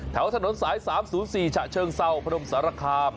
แถวถนนสายสามศูนย์สี่ฉะเชิงเศร้าพระนมสารคาม